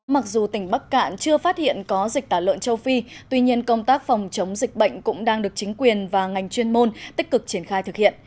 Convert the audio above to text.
mặc dù tỉnh bắc cạn chưa phát hiện có dịch tả lợn châu phi tuy nhiên công tác phòng chống dịch bệnh cũng đang được chính quyền và ngành chuyên môn tích cực triển khai thực hiện